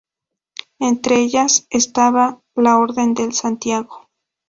Entre ellas estaba la Orden de Santiago.